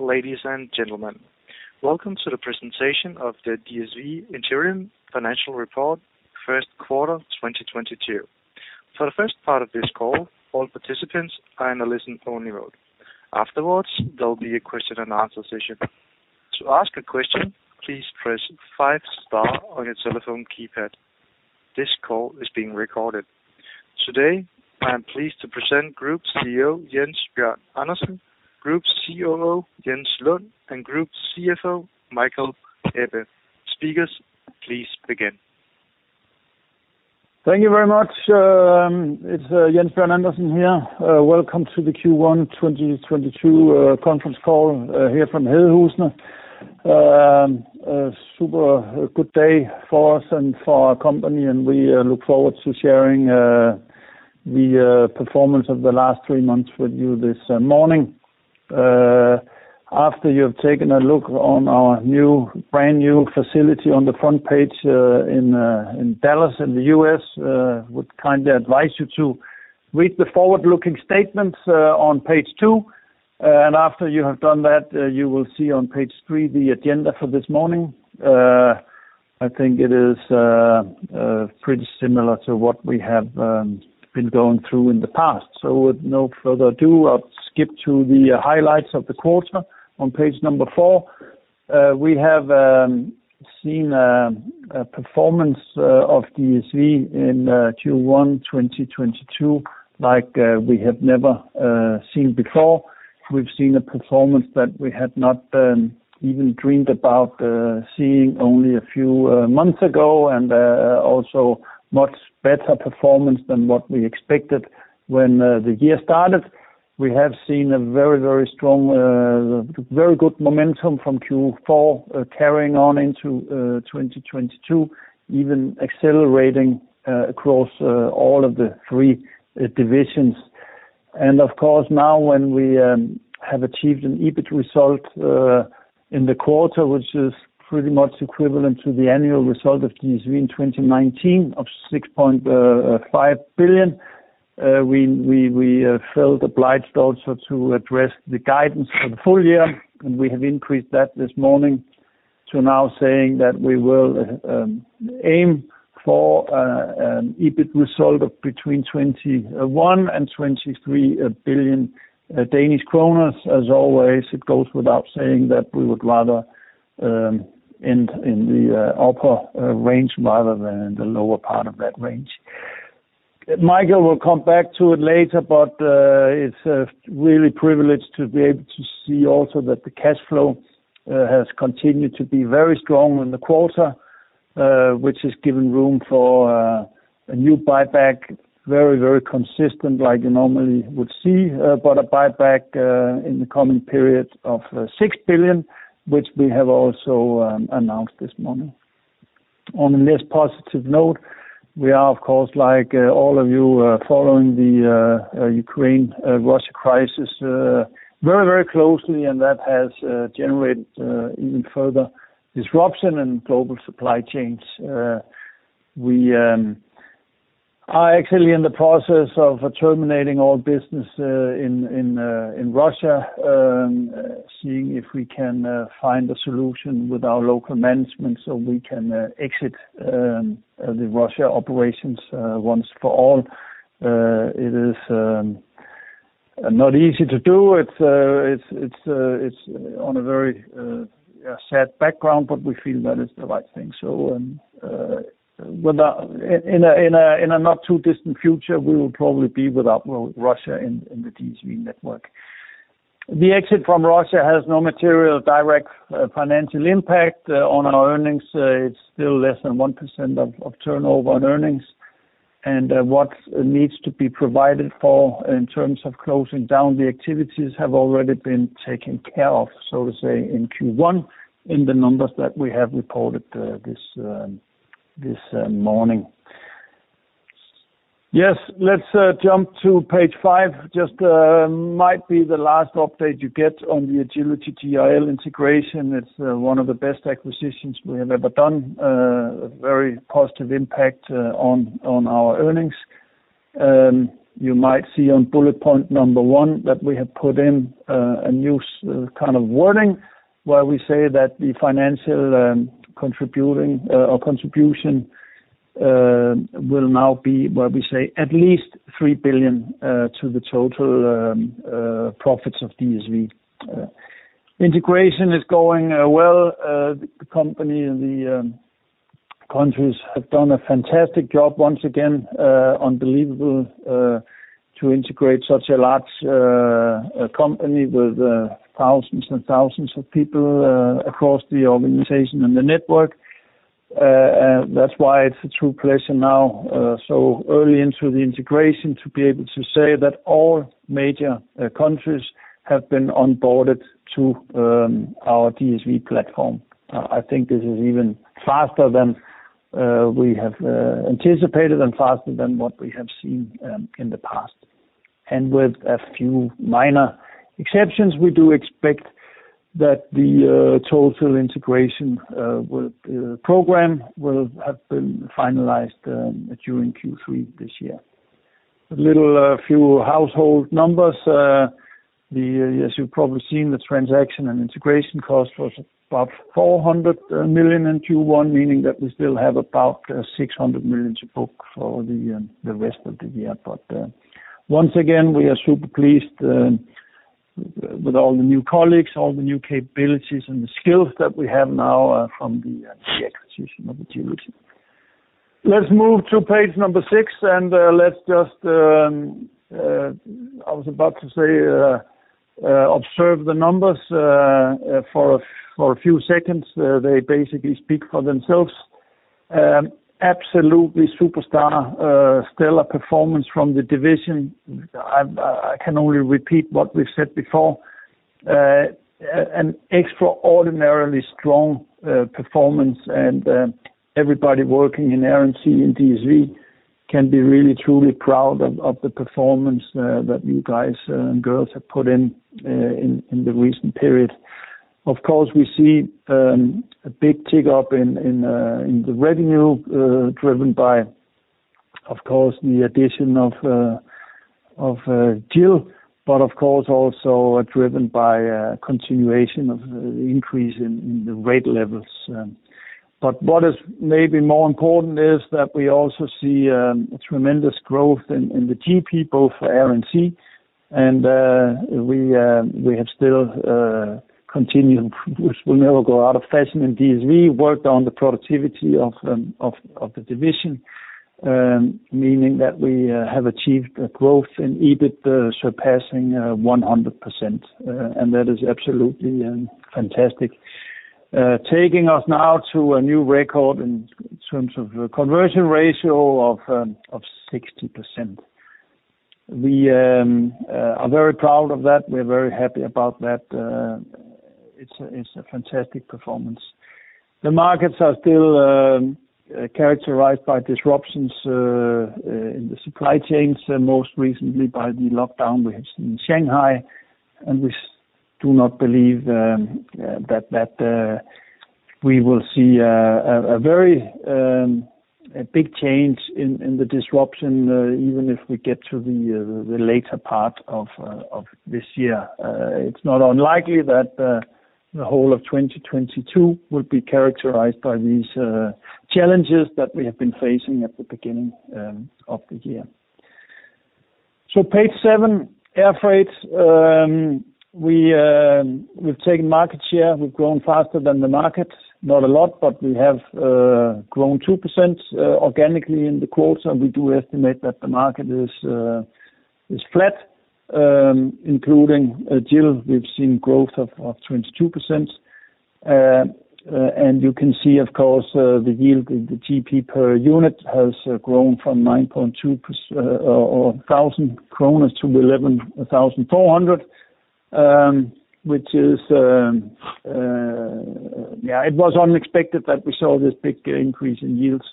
Ladies and gentlemen, welcome to the presentation of the DSV Interim Financial Report First Quarter 2022. For the first part of this call, all participants are in a listen-only mode. Afterwards, there'll be a question and answer session. To ask a question, please press 5 star on your telephone keypad. This call is being recorded. Today, I am pleased to present Group CEO Jens Bjørn Andersen, Group COO Jens Lund, and Group CFO Michael Ebbe. Speakers, please begin. Thank you very much. It's Jens Bjørn Andersen here. Welcome to the Q1 2022 conference call here from Hedehusene. A super good day for us and for our company, and we look forward to sharing the performance of the last three months with you this morning. After you've taken a look on our new, brand new facility on the front page in Dallas in the US, would kindly advise you to read the forward-looking statements on page 2. After you have done that, you will see on page 3 the agenda for this morning. I think it is pretty similar to what we have been going through in the past. With no further ado, I'll skip to the highlights of the quarter on page 4. We have seen a performance of DSV in Q1 2022 like we have never seen before. We've seen a performance that we had not even dreamed about seeing only a few months ago, and also much better performance than what we expected when the year started. We have seen a very, very strong, very good momentum from Q4 carrying on into 2022, even accelerating across all of the three divisions. Of course, now when we have achieved an EBIT result in the quarter, which is pretty much equivalent to the annual result of DSV in 2019 of 6.5 billion, we feel obliged also to address the guidance for the full year, and we have increased that this morning to now saying that we will aim for EBIT result of between 21 billion and 23 billion Danish kroner. As always, it goes without saying that we would rather end in the upper range rather than in the lower part of that range. Michael will come back to it later, but it's really a privilege to be able to see also that the cash flow has continued to be very strong in the quarter, which has given room for a new buyback, very, very consistent like you normally would see, but a buyback in the coming period of 6 billion, which we have also announced this morning. On a less positive note, we are of course like all of you following the Ukraine-Russia crisis very, very closely, and that has generated even further disruption in global supply chains. We are actually in the process of terminating all business in Russia, seeing if we can find a solution with our local management so we can exit the Russia operations once and for all. It is not easy to do. It's on a very sad background, but we feel that is the right thing. In a not too distant future, we will probably be without Russia in the DSV network. The exit from Russia has no material direct financial impact on our earnings. It's still less than 1% of turnover and earnings, and what needs to be provided for in terms of closing down the activities have already been taken care of, so to say, in Q1, in the numbers that we have reported this morning. Yes, let's jump to page 5. Just might be the last update you get on the Agility GIL integration. It's one of the best acquisitions we have ever done, a very positive impact on our earnings. You might see on bullet point number 1 that we have put in a new kind of wording where we say that the financial contribution will now be what we say, at least 3 billion to the total profits of DSV. Integration is going well. The company and the countries have done a fantastic job once again, unbelievable, to integrate such a large company with thousands and thousands of people across the organization and the network. That's why it's a true pleasure now, so early into the integration to be able to say that all major countries have been onboarded to our DSV platform. I think this is even faster than we have anticipated and faster than what we have seen in the past. With a few minor exceptions, we do expect that the total integration with the program will have been finalized during Q3 this year. A few headline numbers. As you've probably seen, the transaction and integration cost was about 400 million in Q1, meaning that we still have about 600 million to book for the rest of the year. Once again, we are super pleased with all the new colleagues, all the new capabilities and the skills that we have now from the acquisition of GIL. Let's move to page number 6, and let's just observe the numbers for a few seconds. They basically speak for themselves. Absolutely superstar stellar performance from the division. I can only repeat what we've said before. An extraordinarily strong performance and everybody working in Air & Sea and DSV can be really truly proud of the performance that you guys and girls have put in the recent period. Of course, we see a big tick up in the revenue driven by, of course, the addition of GIL, but of course also driven by a continuation of the increase in the rate levels. What is maybe more important is that we also see tremendous growth in the GP both for Air & Sea and we have still continued, which will never go out of fashion in DSV, worked on the productivity of the division, meaning that we have achieved a growth in EBIT surpassing 100%. That is absolutely fantastic. Taking us now to a new record in terms of the conversion ratio of 60%. We are very proud of that. We're very happy about that. It's a fantastic performance. The markets are still characterized by disruptions in the supply chains, and most recently by the lockdown we have seen in Shanghai. We do not believe that we will see a very big change in the disruption even if we get to the later part of this year. It's not unlikely that the whole of 2022 will be characterized by these challenges that we have been facing at the beginning of the year. Page 7, air freight. We've taken market share. We've grown faster than the market, not a lot, but we have grown 2% organically in the quarter. We do estimate that the market is flat including GIL. We've seen growth of 22%. You can see, of course, the yield, the GP per unit has grown from 9,200 kroner to 11,400, which is, it was unexpected that we saw this big increase in yields.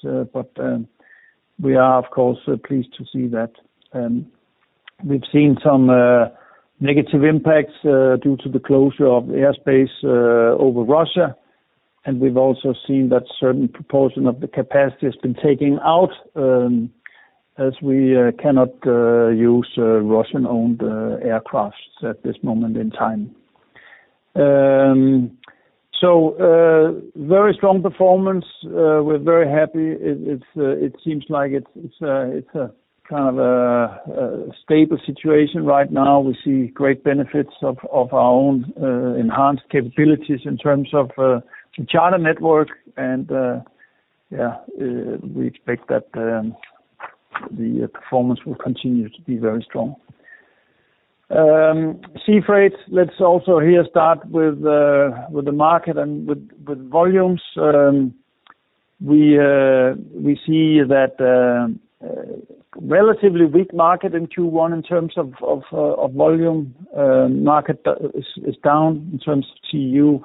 We are of course pleased to see that. We've seen some negative impacts due to the closure of the airspace over Russia. We've also seen that certain proportion of the capacity has been taken out, as we cannot use Russian-owned aircraft at this moment in time. Very strong performance. We're very happy. It seems like it's a kind of a stable situation right now. We see great benefits of our own enhanced capabilities in terms of the charter network. We expect that the performance will continue to be very strong. Sea freight, let's also here start with the market and volumes. We see that a relatively weak market in Q1 in terms of volume. Market is down in terms of TU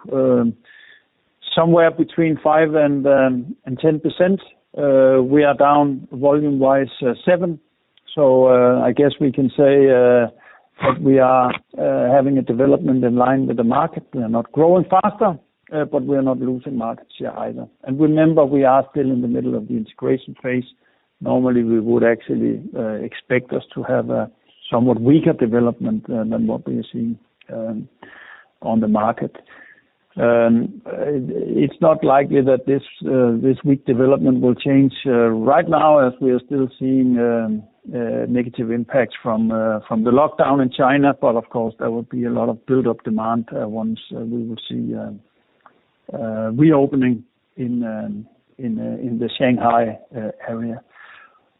somewhere between 5% and 10%. We are down volume-wise 7%. I guess we can say that we are having a development in line with the market. We are not growing faster, but we are not losing market share either. Remember, we are still in the middle of the integration phase. Normally, we would actually expect us to have a somewhat weaker development than what we are seeing on the market. It's not likely that this weak development will change right now as we are still seeing negative impacts from the lockdown in China. Of course, there will be a lot of build-up demand once we will see reopening in the Shanghai area.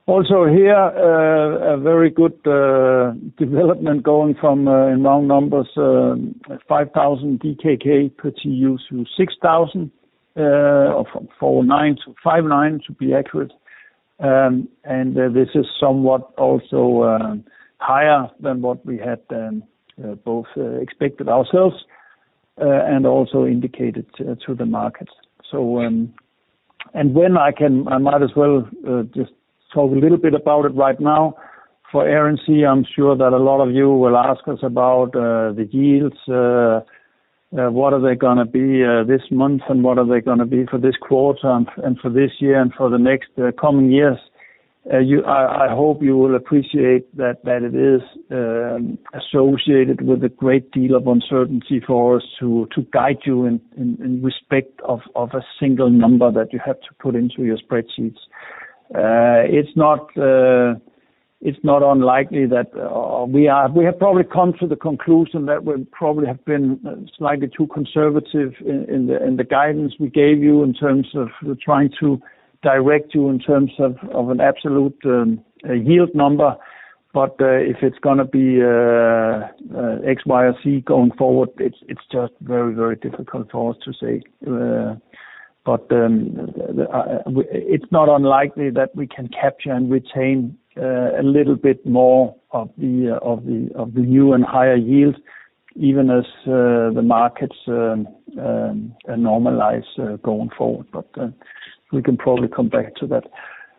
Also here, a very good development going from, in round numbers, 5,000 DKK per TU to 6,000, or from 4,900 to 5,900 to be accurate. This is somewhat also higher than what we had both expected ourselves and also indicated to the market. When I can, I might as well just talk a little bit about it right now. For Air & Sea, I'm sure that a lot of you will ask us about the yields, what are they gonna be this month? What are they gonna be for this quarter, and for this year, and for the next coming years? I hope you will appreciate that it is associated with a great deal of uncertainty for us to guide you in respect of a single number that you have to put into your spreadsheets. It's not unlikely that we have probably come to the conclusion that we probably have been slightly too conservative in the guidance we gave you in terms of trying to direct you in terms of an absolute yield number. If it's gonna be X, Y, or Z going forward, it's just very difficult for us to say. It's not unlikely that we can capture and retain a little bit more of the new and higher yields, even as the markets normalize going forward. We can probably come back to that.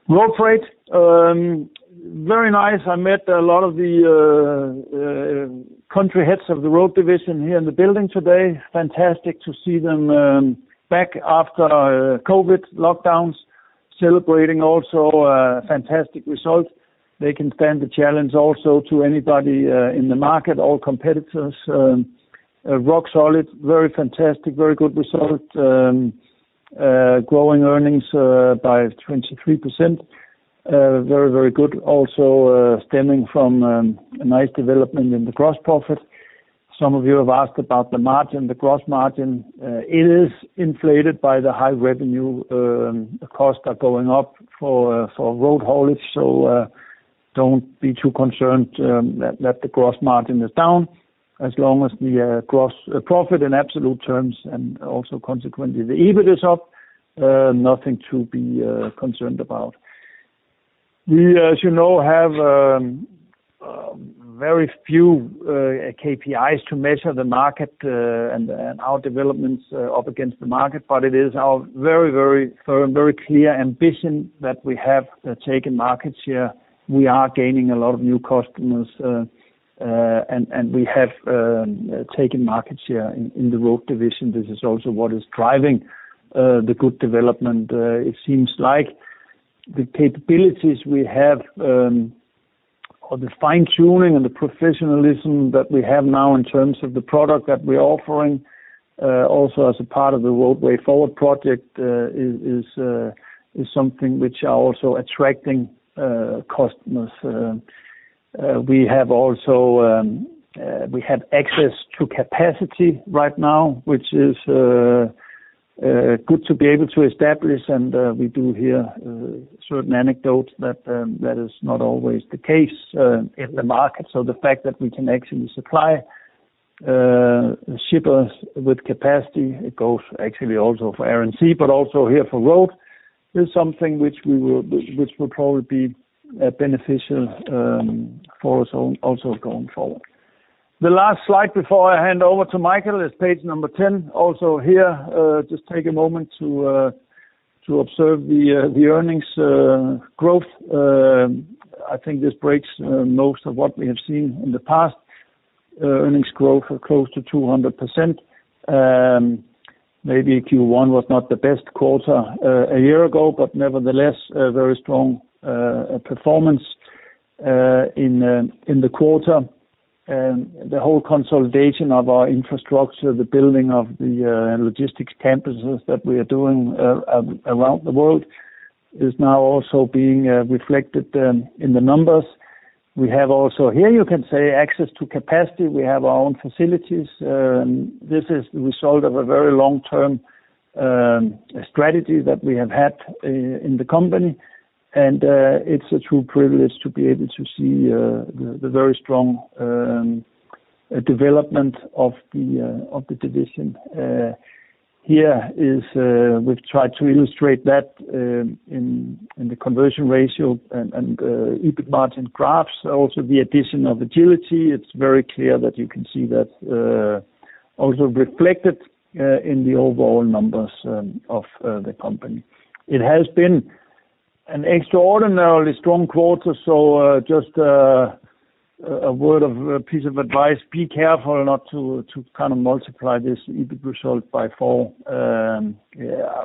Road Freight, very nice. I met a lot of the country heads of the Road division here in the building today. Fantastic to see them back after COVID lockdowns, celebrating also a fantastic result. They can stand the challenge also to anybody in the market or competitors. Rock solid, very fantastic, very good result. Growing earnings by 23%. Very, very good. Also stemming from a nice development in the gross profit. Some of you have asked about the margin, the gross margin. It is inflated by the high revenue, costs are going up for road haulage. Don't be too concerned that the gross margin is down as long as the gross profit in absolute terms, and also consequently, the EBIT is up, nothing to be concerned about. We, as you know, have very few KPIs to measure the market, and our developments up against the market. It is our very, very firm, very clear ambition that we have taken market share. We are gaining a lot of new customers, and we have taken market share in the Road division. This is also what is driving the good development, it seems like. The capabilities we have, or the fine-tuning and the professionalism that we have now in terms of the product that we're offering, also as a part of the Road Way Forward project, is something which are also attracting customers. We have access to capacity right now, which is good to be able to establish. We do hear certain anecdotes that that is not always the case in the market. The fact that we can actually supply shippers with capacity, it goes actually also for Air & Sea, but also here for Road, is something which will probably be beneficial for us also going forward. The last slide before I hand over to Michael is page 10. Here, just take a moment to observe the earnings growth. I think this breaks most of what we have seen in the past. Earnings growth of close to 200%. Maybe Q1 was not the best quarter a year ago, but nevertheless, a very strong performance in the quarter. The whole consolidation of our infrastructure, the building of the logistics campuses that we are doing around the world, is now also being reflected in the numbers. We have also here, you can say, access to capacity. We have our own facilities. This is the result of a very long-term strategy that we have had in the company. It's a true privilege to be able to see the very strong development of the division. Here we've tried to illustrate that in the conversion ratio and EBIT margin graphs, also the addition of Agility. It's very clear that you can see that also reflected in the overall numbers of the company. It has been an extraordinarily strong quarter, so just a word of advice, be careful not to kind of multiply this EBIT result by four.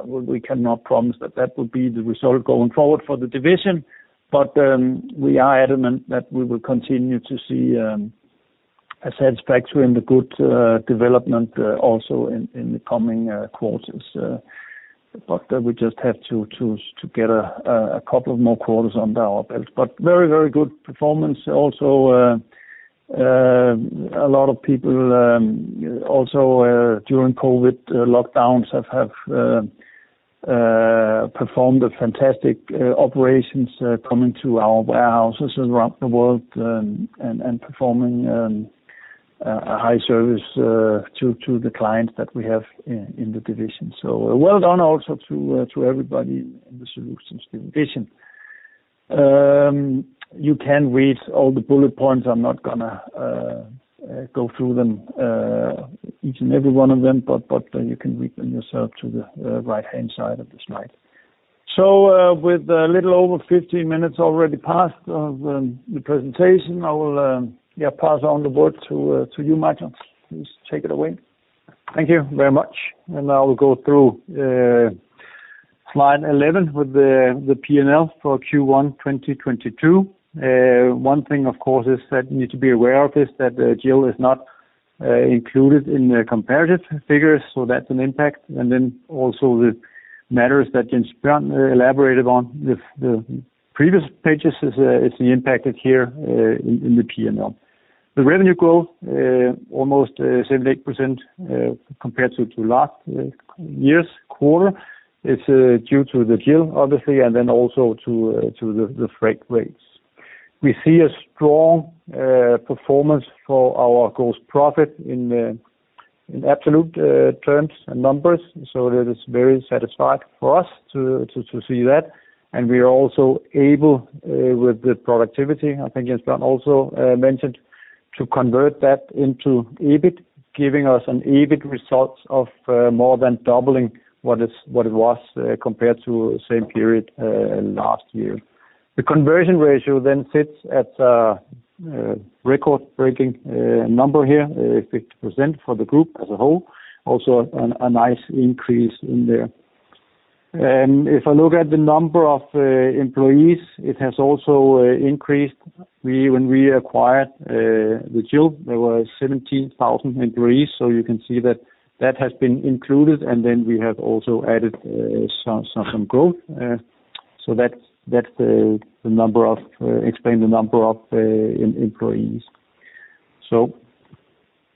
We cannot promise that will be the result going forward for the division. We are adamant that we will continue to see a satisfactory and a good development also in the coming quarters. We just have to get a couple of more quarters under our belt. Very good performance. Also, a lot of people also during COVID lockdowns have performed fantastic operations coming to our warehouses around the world, and performing a high service to the clients that we have in the division. Well done also to everybody in the Solutions division. You can read all the bullet points. I'm not gonna go through them each and every one of them, but you can read them yourself to the right-hand side of the slide. With a little over 15 minutes already passed of the presentation, I will pass on the word to you, Michael. Please take it away. Thank you very much. I will go through slide 11 with the P&L for Q1 2022. One thing, of course, is that you need to be aware of is that GIL is not included in the comparative figures, so that's an impact. Also the matters that Jens Bjørn elaborated on the previous pages is the impact here in the P&L. The revenue growth almost 78% compared to last year's quarter, it's due to the GIL, obviously, and then also to the freight rates. We see a strong performance for our gross profit in absolute terms and numbers, so that is very satisfying for us to see that. We are also able with the productivity, I think Jens Bjørn also mentioned, to convert that into EBIT, giving us an EBIT result of more than doubling what it was compared to same period last year. The conversion ratio then sits at a record-breaking number here, 50% for the group as a whole. Also a nice increase in there. If I look at the number of employees, it has also increased. When we acquired the GIL, there were 17,000 employees, so you can see that has been included, and then we have also added some growth. So that's the number of employees.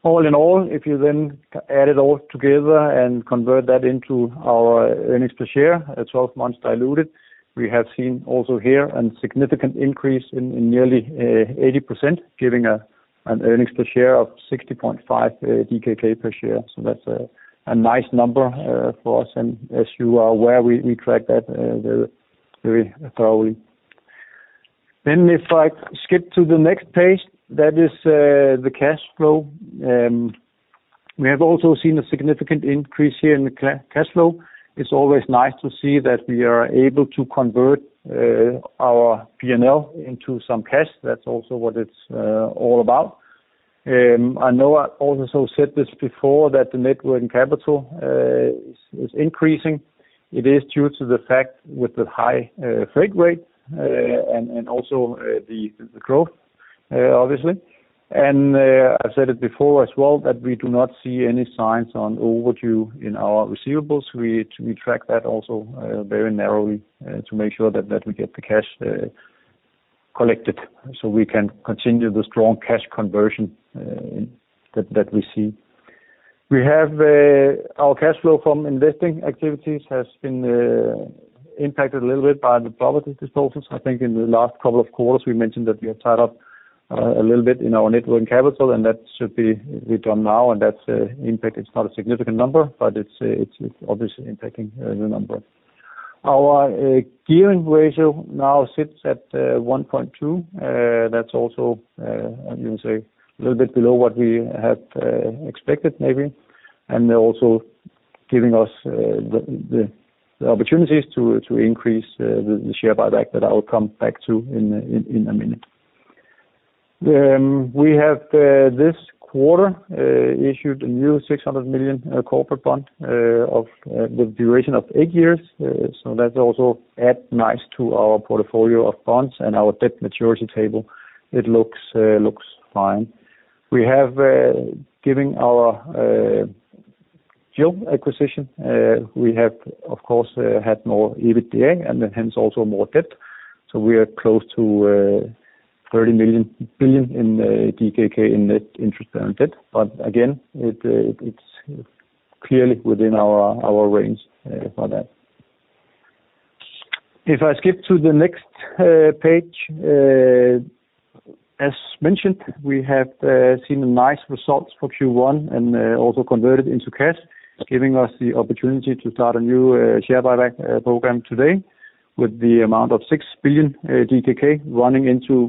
All in all, if you then add it all together and convert that into our earnings per share, at 12 months diluted, we have seen also here a significant increase in nearly 80%, giving an earnings per share of 60.5 DKK per share. That's a nice number for us, and as you are aware, we track that very thoroughly. If I skip to the next page, that is the cash flow. We have also seen a significant increase here in the cash flow. It's always nice to see that we are able to convert our P&L into some cash. That's also what it's all about. I know I also said this before, that the net working capital is increasing. It is due to the fact with the high freight rate and also the growth obviously. I've said it before as well, that we do not see any signs on overdue in our receivables. We track that also very narrowly to make sure that we get the cash collected so we can continue the strong cash conversion that we see. We have our cash flow from investing activities has been impacted a little bit by the property disposals. I think in the last couple of quarters, we mentioned that we are tied up a little bit in our net working capital, and that should be done now, and that's impact is not a significant number, but it's obviously impacting the number. Our gearing ratio now sits at 1.2. That's also, I can say, a little bit below what we had expected maybe. Also giving us the opportunities to increase the share buyback that I will come back to in a minute. We have this quarter issued a new 600 million corporate bond of the duration of eight years. That also adds nicely to our portfolio of bonds and our debt maturity table. It looks fine. We have given our GIL acquisition, we have, of course, had more EBITDA, and then hence also more debt. We are close to 30 billion DKK in net interest-bearing debt. Again, it's clearly within our range for that. If I skip to the next page, as mentioned, we have seen nice results for Q1 and also converted into cash, giving us the opportunity to start a new share buyback program today with the amount of 6 billion DKK running into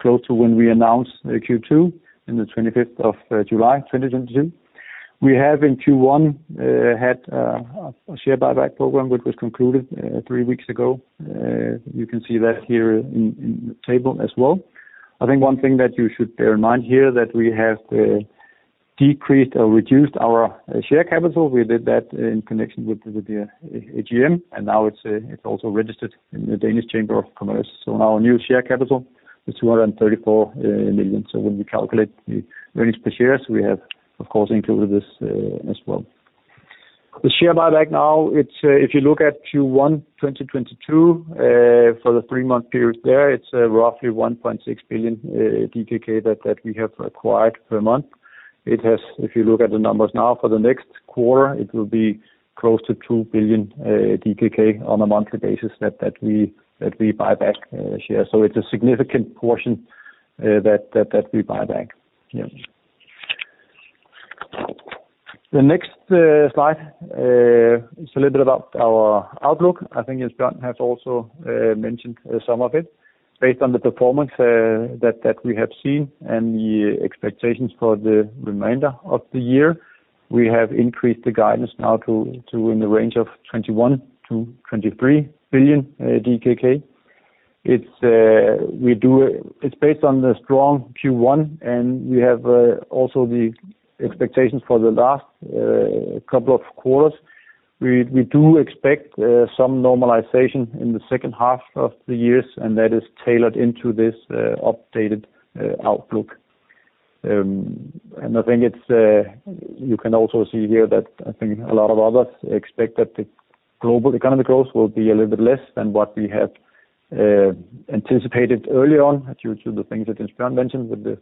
close to when we announce Q2 in the 25th of July 2022. We have in Q1 had a share buyback program, which was concluded three weeks ago. You can see that here in the table as well. I think one thing that you should bear in mind here that we have decreased or reduced our share capital. We did that in connection with the AGM, and now it's also registered in the Danish Business Authority. Now our new share capital is 234 million. When we calculate the earnings per shares, we have, of course, included this as well. The share buyback now, it's if you look at Q1 2022 for the three-month period there, it's roughly 1.6 billion DKK that we have acquired per month. If you look at the numbers now for the next quarter, it will be close to 2 billion DKK on a monthly basis that we buy back shares. It's a significant portion that we buy back. The next slide is a little bit about our outlook. I think Jens Bjørn has also mentioned some of it based on the performance that we have seen and the expectations for the remainder of the year. We have increased the guidance now to in the range of 21 billion-23 billion DKK. It's based on the strong Q1, and we have also the expectations for the last couple of quarters. We expect some normalization in the second half of the year, and that is factored into this updated outlook. I think you can also see here that I think a lot of others expect that the global economic growth will be a little bit less than what we had anticipated early on due to the things that Jesper mentioned with the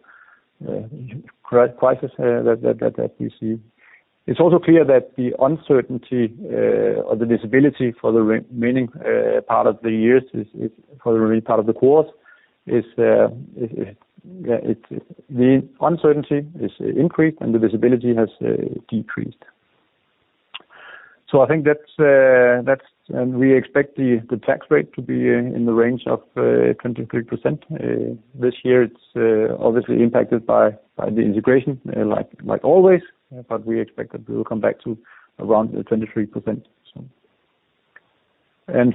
current crisis that we see. It's also clear that the uncertainty or the visibility for the remaining part of the year is, the uncertainty is increased, and the visibility has decreased. I think that's, and we expect the tax rate to be in the range of 23%. This year, it's obviously impacted by the integration, like always, but we expect that we'll come back to around 23%.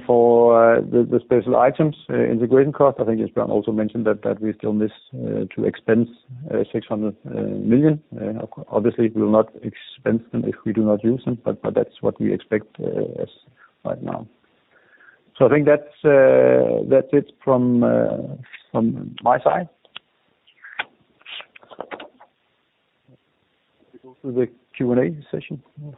For the special items, integration cost, I think Jens also mentioned that we still have to expense 600 million. Obviously, we'll not expense them if we do not use them, but that's what we expect as right now. I think that's it from my side. We go to the Q&A session now.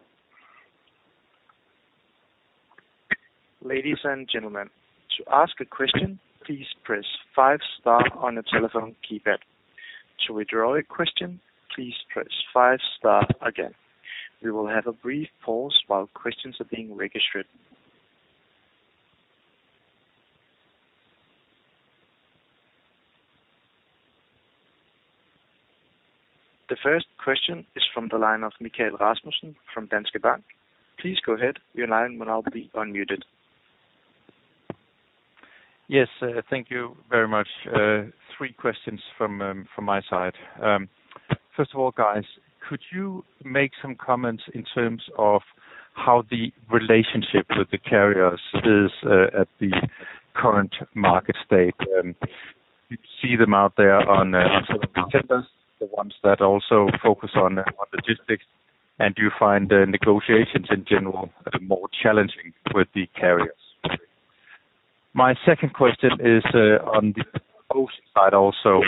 Ladies and gentlemen, to ask a question, please press five star on your telephone keypad. To withdraw your question, please press 5 star again. We will have a brief pause while questions are being registered. The first question is from the line of Michael Vitfell-Rasmussen from Danske Bank. Please go ahead. Your line will now be unmuted. Yes. Thank you very much. Three questions from my side. First of all, guys, could you make some comments in terms of how the relationship with the carriers is at the current market state? You see them out there on some of the tenders, the ones that also focus on logistics, and you find the negotiations in general are more challenging with the carriers. My second question is on the ocean side also.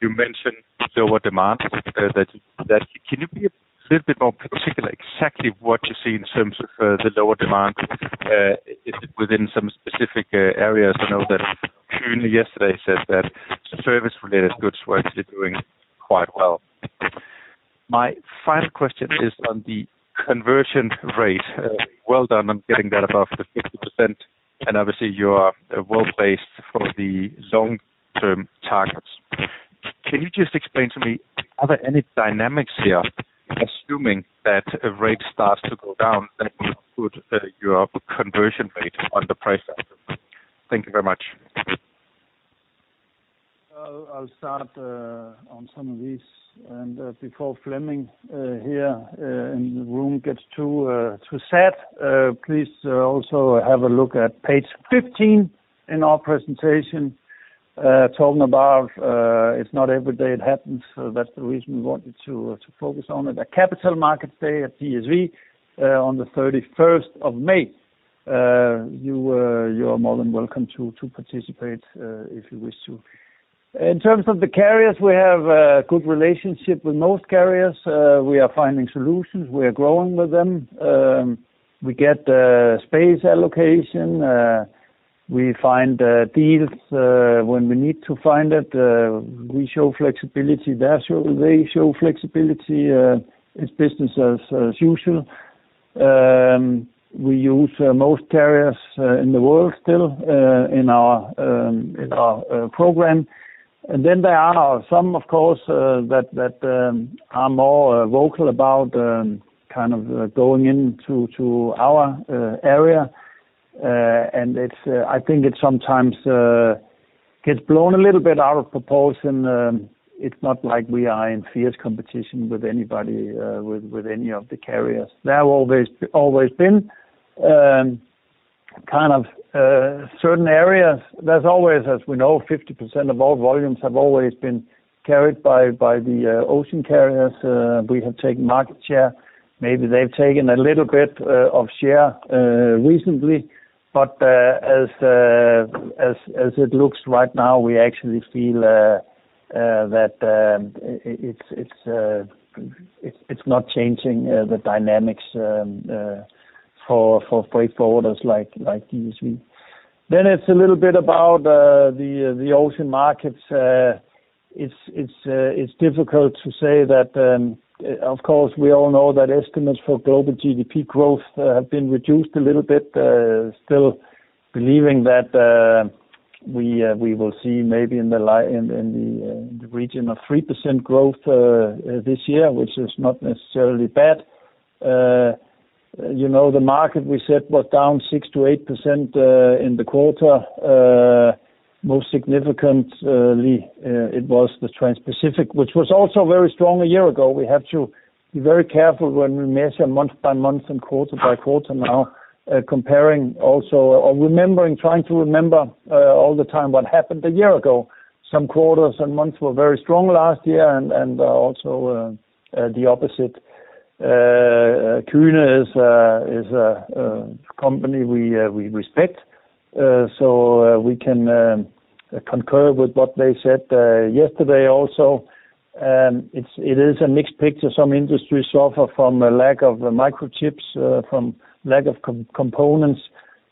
You mentioned lower demand. Can you be a little bit more particular exactly what you see in terms of the lower demand? Is it within some specific areas? I know that Kuehne+Nagel yesterday said that service-related goods were actually doing quite well. My final question is on the conversion rate. Well done on getting that above the 50%, and obviously you are well-placed for the long-term targets. Can you just explain to me, are there any dynamics here assuming that a rate starts to go down, that will put your conversion rate on the price after? Thank you very much. I'll start on some of these, and before Flemming here in the room gets too sad, please also have a look at page 15 in our presentation, talking about it's not every day it happens, so that's the reason we wanted to focus on it. A Capital Markets Day at DSV on the thirty-first of May. You are more than welcome to participate if you wish to. In terms of the carriers, we have a good relationship with most carriers. We are finding solutions. We are growing with them. We get space allocation. We find deals when we need to find it. We show flexibility. They show flexibility. It's business as usual. We use most carriers in the world still in our program. Then there are some, of course, that are more vocal about kind of going into our area. It's, I think, it sometimes gets blown a little bit out of proportion. It's not like we are in fierce competition with anybody with any of the carriers. There have always been kind of certain areas. There's always, as we know, 50% of all volumes have always been carried by the ocean carriers. We have taken market share. Maybe they've taken a little bit of share recently. As it looks right now, we actually feel that it's not changing the dynamics for freight forwarders like DSV. It's a little bit about the ocean markets. It's difficult to say that of course we all know that estimates for global GDP growth have been reduced a little bit. Still believing that we will see maybe in the region of 3% growth this year, which is not necessarily bad. You know, the market we said was down 6% to 8% in the quarter. Most significantly, it was the Transpacific, which was also very strong a year ago. We have to be very careful when we measure month by month and quarter by quarter now, comparing or remembering all the time what happened a year ago. Some quarters and months were very strong last year and also the opposite. Kuehne+Nagel is a company we respect. So we can concur with what they said yesterday also. It is a mixed picture. Some industries suffer from a lack of microchips, from lack of components,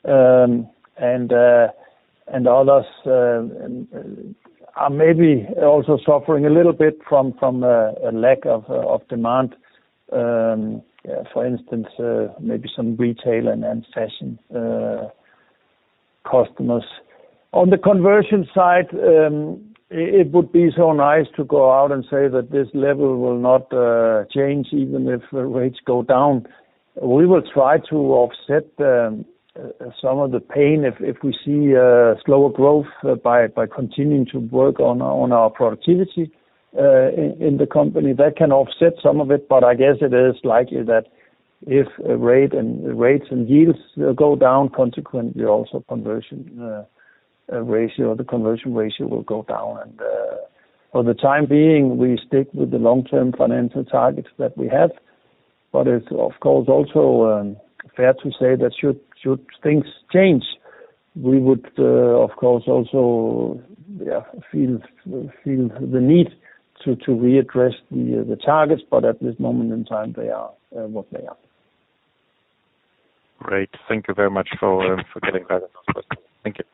and others are maybe also suffering a little bit from a lack of demand. For instance, maybe some retail and fashion customers. On the conversion side, it would be so nice to go out and say that this level will not change even if the rates go down. We will try to offset some of the pain if we see a slower growth by continuing to work on our productivity in the company. That can offset some of it, but I guess it is likely that if rates and yields go down, consequently, also conversion ratio, the conversion ratio will go down. For the time being, we stick with the long-term financial targets that we have. It's of course also fair to say that should things change, we would of course also yeah feel the need to readdress the targets. At this moment in time, they are what they are. Great. Thank you very much for taking that question. Thank you.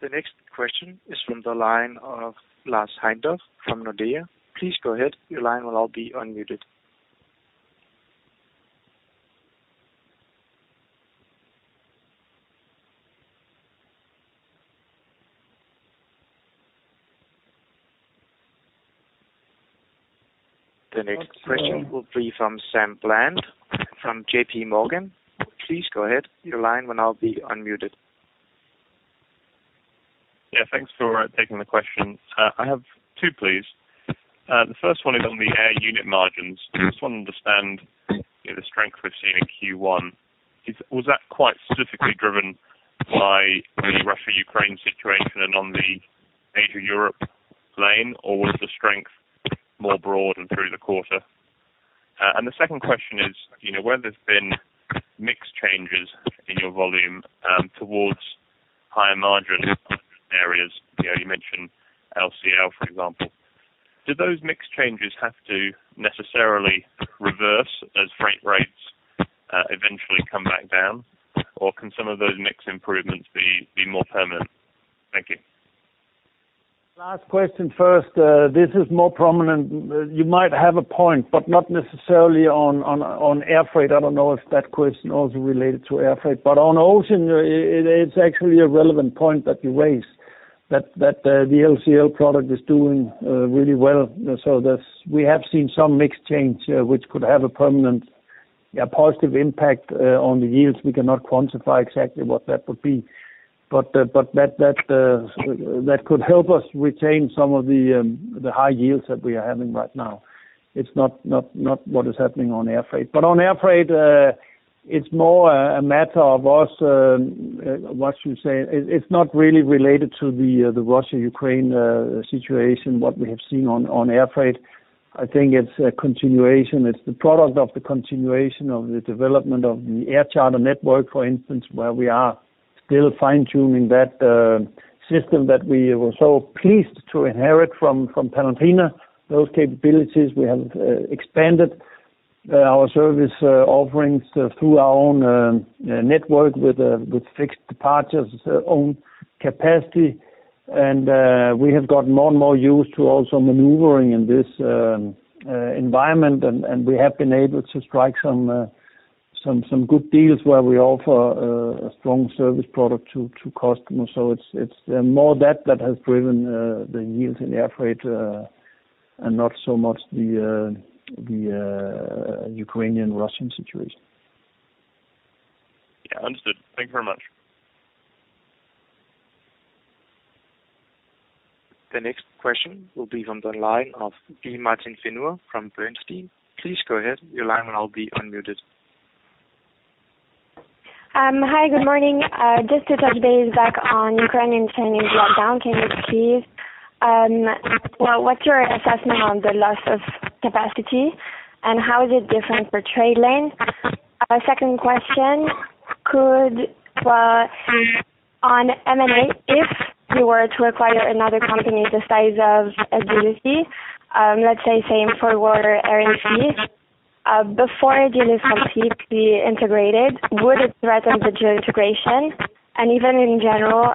The next question is from the line of Lars Heindorff from Nordea. Please go ahead, your line will now be unmuted. The next question will be from Samuel Bland from JP Morgan. Please go ahead, your line will now be unmuted. Yeah, thanks for taking the question. I have two, please. The first one is on the air unit margins. Just want to understand, you know, the strength we've seen in Q1. Was that quite specifically driven by the Russia-Ukraine situation and on the major Europe lane? Or was the strength more broad and through the quarter? And the second question is, you know, where there's been mix changes in your volume, towards higher margin areas. You know, you mentioned LCL, for example. Do those mix changes have to necessarily reverse as freight rates eventually come back down? Or can some of those mix improvements be more permanent? Thank you. Last question first. This is more prominent. You might have a point, but not necessarily on air freight. I don't know if that question also related to air freight. On ocean, it's actually a relevant point that you raise, the LCL product is doing really well. We have seen some mix change, which could have a permanent positive impact on the yields. We cannot quantify exactly what that would be. That could help us retain some of the high yields that we are having right now. It's not what is happening on air freight. On air freight, it's more a matter of us, what you say. It's not really related to the Russia-Ukraine situation, what we have seen on air freight. I think it's a continuation. It's the product of the continuation of the development of the air charter network, for instance, where we are still fine-tuning that system that we were so pleased to inherit from Panalpina, those capabilities. We have expanded our service offerings through our own network with fixed departures, own capacity. We have got more and more used to also maneuvering in this environment. We have been able to strike some good deals where we offer a strong service product to customers. It's more that has driven the yields in the air freight, and not so much the Ukrainian-Russian situation. Yeah. Understood. Thank you very much. The next question will be from the line of B. Martin Fenouill from Bernstein. Please go ahead, your line will now be unmuted. Hi, good morning. Just to touch base on Ukraine in supply chains lockdown cadence, please. Well, what's your assessment on the loss of capacity, and how is it different for trade lane? Second question, on M&A, if you were to acquire another company the size of Agility, let's say same forwarder, RFC, before Agility is completely integrated, would it threaten the GIL integration? Even in general,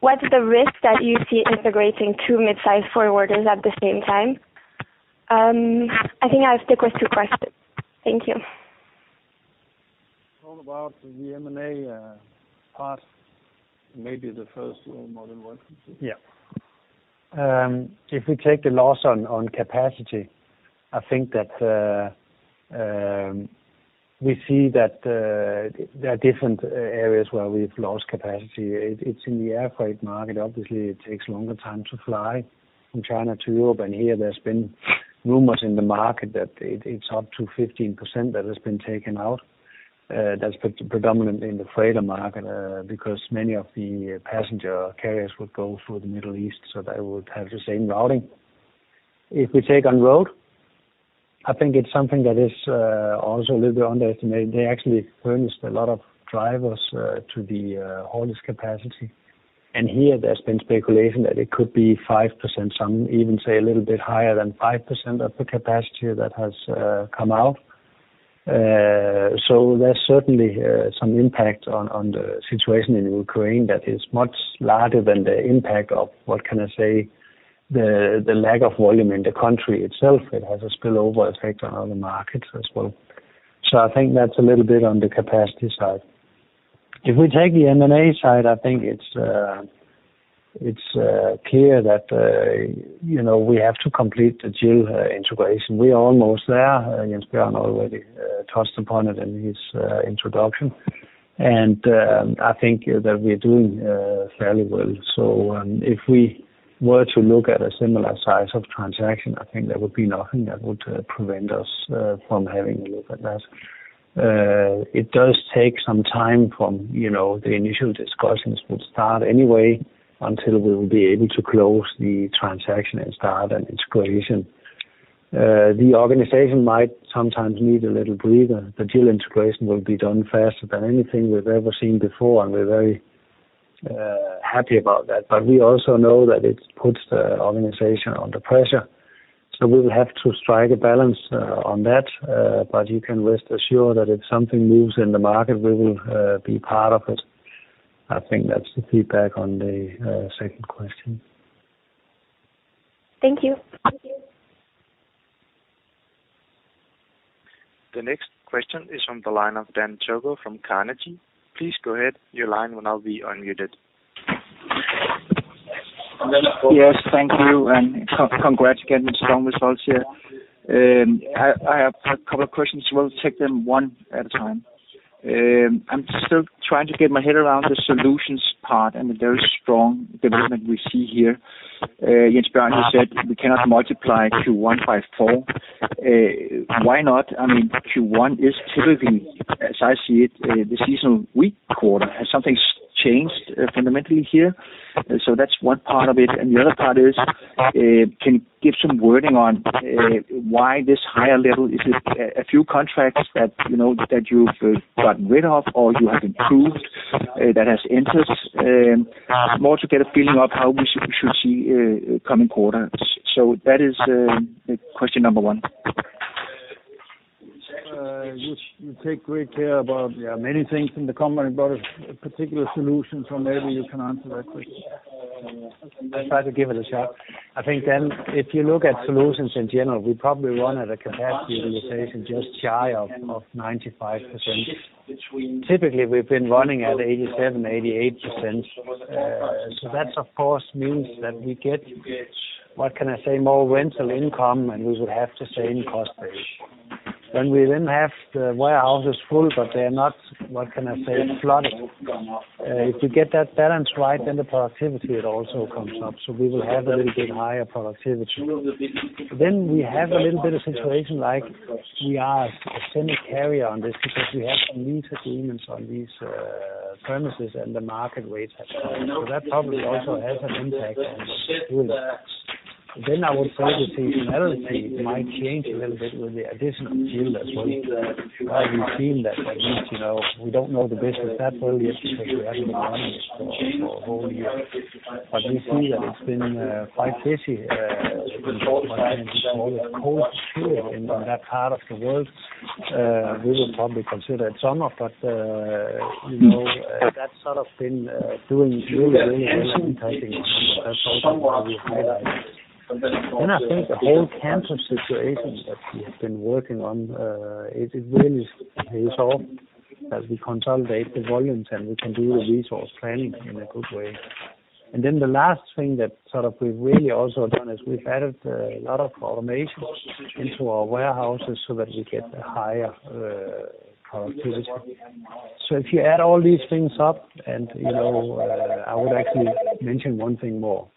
what's the risk that you see integrating two mid-sized forwarders at the same time? I think I have to stick with two questions. Thank you. It's all about the M&A part, maybe the first more than one can see. Yeah. If we take the loss on capacity, I think that we see that there are different areas where we've lost capacity. It's in the air freight market. Obviously, it takes longer time to fly from China to Europe, and here there's been rumors in the market that it's up to 15% that has been taken out. That's predominantly in the freighter market, because many of the passenger carriers would go through the Middle East, so they would have the same routing. If we take on road, I think it's something that is also a little bit underestimated. They actually furnished a lot of drivers to the haulage capacity. Here, there's been speculation that it could be 5%, some even say a little bit higher than 5% of the capacity that has come out. There's certainly some impact on the situation in Ukraine that is much larger than the impact of, what can I say, the lack of volume in the country itself. It has a spillover effect on other markets as well. I think that's a little bit on the capacity side. If we take the M&A side, I think it's clear that, you know, we have to complete the GIL integration. We are almost there. Jens Bjørn already touched upon it in his introduction. I think that we are doing fairly well. If we were to look at a similar size of transaction, I think there would be nothing that would prevent us from having a look at that. It does take some time from, you know, the initial discussions would start anyway until we'll be able to close the transaction and start an integration. The organization might sometimes need a little breather. The GIL integration will be done faster than anything we've ever seen before, and we're very happy about that. We also know that it puts the organization under pressure, so we'll have to strike a balance on that. You can rest assured that if something moves in the market, we will be part of it. I think that's the feedback on the second question. Thank you. The next question is from the line of Dan Togo Jensen from Carnegie. Please go ahead. Your line will now be unmuted. Yes, thank you, and congratulations on the results here. I have a couple of questions. We'll take them one at a time. I'm still trying to get my head around the solutions part and the very strong development we see here. Jens Bjørn, you said we cannot multiply Q1 by 4. Why not? I mean, Q1 is typically, as I see it, the seasonal weak quarter. Has something changed fundamentally here? That's one part of it. The other part is, can you give some wording on why this higher level? Is it a few contracts that, you know, that you've gotten rid of or you have improved, that's interesting? More to get a feeling of how we should see coming quarters. That is question number one. You take great care about, yeah, many things in the company, but a particular solution, so maybe you can answer that question. I'll try to give it a shot. I think, Dan, if you look at Solutions in general, we probably run at a capacity utilization just shy of 95%. Typically, we've been running at 87% to 88%. That of course means that we get, what can I say, more rental income, and we would have the same cost base. When we then have the warehouses full, but they're not, what can I say, flooded. If you get that balance right, then the productivity, it also comes up. We will have a little bit higher productivity. We have a little bit of situation like we are a semi-carrier on this because we have some lease agreements on these premises, and the market rates have gone up. That probably also has an impact on the volumes. I would say the seasonality might change a little bit with the additional GIL as well. We've seen that. That means, you know, we don't know the business that well yet because we haven't run this for a whole year. But we see that it's been quite busy, despite it being what we would call a cold period in that part of the world. We would probably consider it summer, but, you know, that's sort of been doing really well and impacting on that. That's also what we would highlight. I think the whole campus situations that we have been working on, it really pays off as we consolidate the volumes, and we can do the resource planning in a good way. Then the last thing that sort of we've really also done is we've added a lot of automations into our warehouses so that we get a higher productivity. If you add all these things up and, you know, I would actually mention one thing more.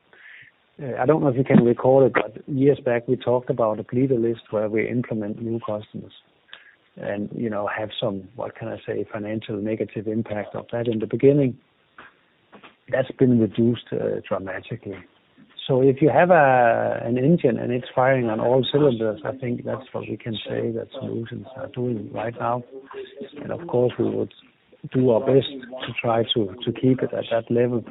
I don't know if you can recall it, but years back, we talked about a bleeder list where we implement new customers and, you know, have some, what can I say, financial negative impact of that in the beginning. That's been reduced dramatically. If you have an engine and it's firing on all cylinders, I think that's what we can say that Solutions are doing right now. Of course, we would do our best to try to keep it at that level.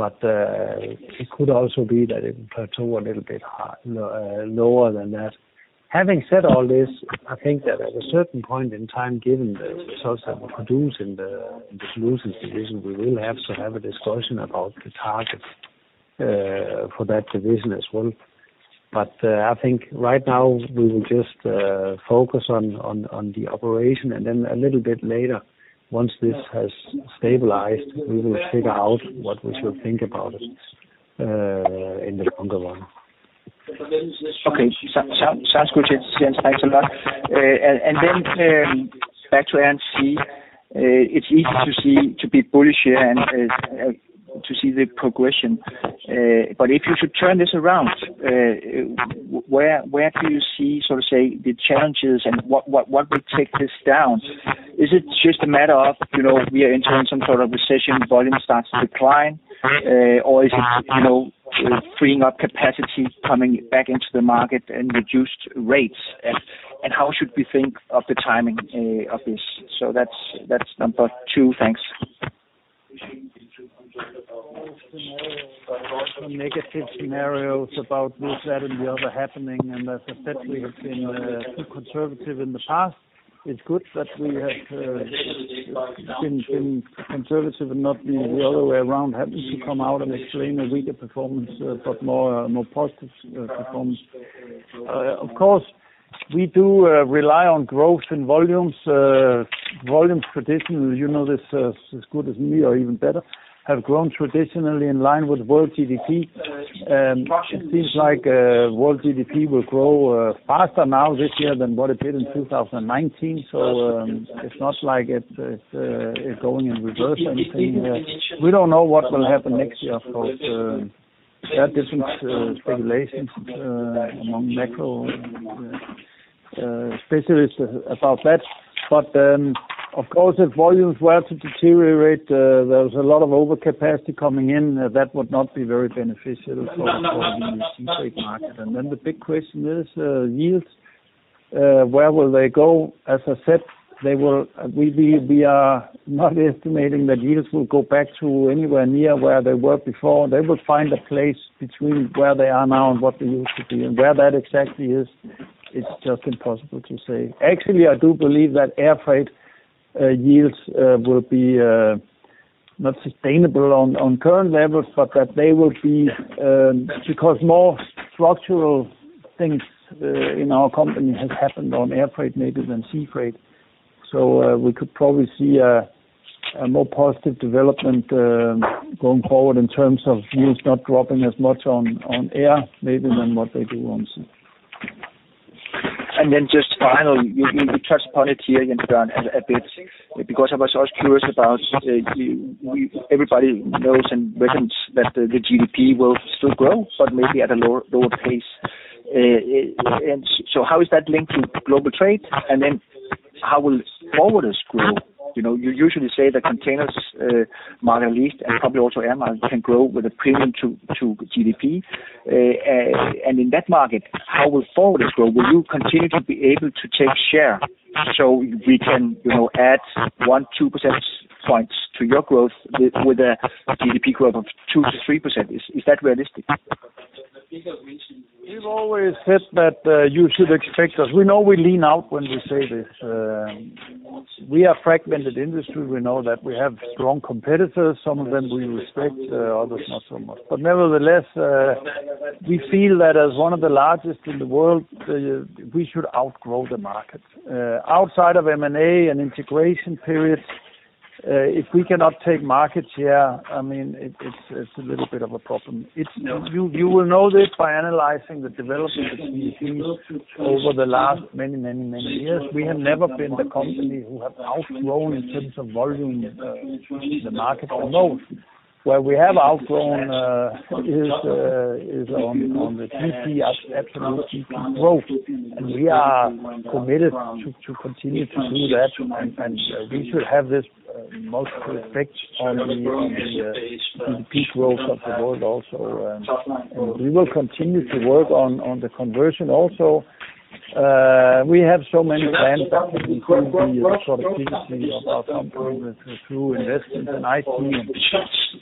It could also be that it plateau a little bit lower than that. Having said all this, I think that at a certain point in time, given the results that we produce in the Solutions division, we will have to have a discussion about the targets for that division as well. I think right now we will just focus on the operation and then a little bit later, once this has stabilized, we will figure out what we should think about it in the longer run. Okay. Sounds good. Thanks a lot. Back to NC. It's easy to see, to be bullish here and to see the progression. If you should turn this around, where do you see, so to say, the challenges and what would take this down? Is it just a matter of, you know, we are entering some sort of recession, volume starts to decline? Or is it, you know, freeing up capacity coming back into the market and reduced rates? How should we think of the timing of this? That's number two. Thanks. Some negative scenarios about this, that, and the other happening, and as I said, we have been too conservative in the past. It's good that we have been conservative and not the other way around, having to come out and explain a weaker performance, but more positive performance. Of course, we do rely on growth in volumes. Volumes traditionally, you know this as good as me or even better, have grown traditionally in line with world GDP. It seems like world GDP will grow faster now this year than what it did in 2019. It's not like it's going in reverse or anything. We don't know what will happen next year, of course. There are different speculations among macro specialists about that. Of course, if volumes were to deteriorate, there's a lot of overcapacity coming in, that would not be very beneficial for the sea freight market. The big question is, yields, where will they go? As I said, they will. We are not estimating that yields will go back to anywhere near where they were before. They will find a place between where they are now and what they used to be. Where that exactly is, it's just impossible to say. Actually, I do believe that air freight yields will be not sustainable on current levels, but that they will be, because more structural things in our company has happened on air freight maybe than sea freight. We could probably see a more positive development going forward in terms of yields not dropping as much on air maybe than what they do on sea. Just finally, you touched upon it here, Jens, a bit, because I was always curious about, everybody knows and reckons that the GDP will still grow, but maybe at a lower pace. How is that linked to global trade? How will forwarders grow? You know, you usually say the containers model at least, and probably also air model, can grow with a premium to GDP. In that market, how will forwarders grow? Will you continue to be able to take share so we can, you know, add one, two percentage points to your growth with a GDP growth of 2% to 3%? Is that realistic? We've always said that you should expect us. We know we lay it out when we say this. It's a fragmented industry. We know that we have strong competitors, some of them we respect, others not so much. Nevertheless, we feel that as one of the largest in the world, we should outgrow the market. Outside of M&A and integration periods, if we cannot take market share, I mean, it's a little bit of a problem. No. You will know this by analyzing the development of GP over the last many years. We have never been the company who have outgrown in terms of volume the market the most. Where we have outgrown is on the TP, absolute TP growth. We are committed to continue to do that. We should have this most effect in the peak growth of the world also. We will continue to work on the conversion also. We have so many plans that can improve the productivity of our company through investing in IT and